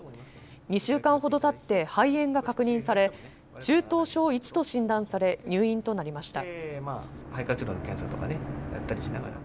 ２週間ほどたって肺炎が確認され、中等症Ｉと診断され入院となりました。